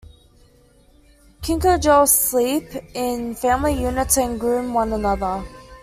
Kinkajous sleep in family units and groom one another.